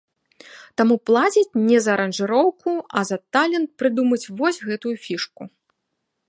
Таму плацяць не за аранжыроўку, а за талент прыдумаць вось гэтую фішку.